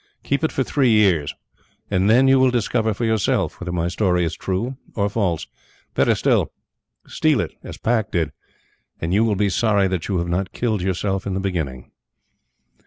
Keep it for three years, and then you will discover for yourself whether my story is true or false. Better still, steal it as Pack did, and you will be sorry that you had not killed yourself in the beginning.